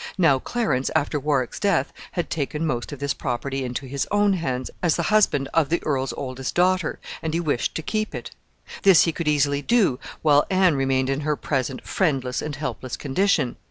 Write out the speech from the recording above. Now Clarence, after Warwick's death, had taken most of this property into his own hands as the husband of the earl's oldest daughter, and he wished to keep it. This he could easily do while Anne remained in her present friendless and helpless condition.